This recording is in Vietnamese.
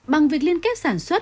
bằng việc liên kết sản xuất